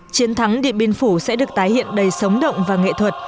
chiến thắng điện biên phủ sẽ được tái hiện đầy sống động và nghệ thuật